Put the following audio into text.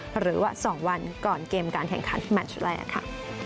หรือว่า๒วันก่อนเกมการแข่งขันแมชแรกค่ะ